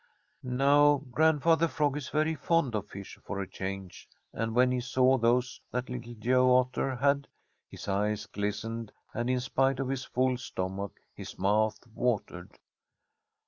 Now Grandfather Frog is very fond of fish for a change, and when he saw those that Little Joe Otter had, his eyes glistened, and in spite of his full stomach his mouth watered.